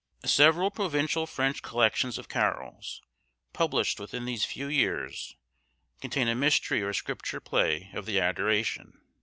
Several provincial French collections of Carols, published within these few years, contain a Mystery or Scripture play of the Adoration.